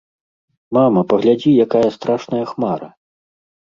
Мама, паглядзі, якая страшная хмара!